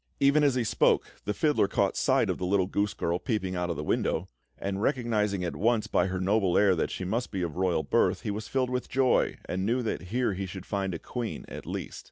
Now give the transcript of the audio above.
Even as he spoke, the fiddler caught sight of the little goose girl peeping out of the window; and recognising at once by her noble air that she must be of royal birth, he was filled with joy, and knew that here he should find a queen, at least.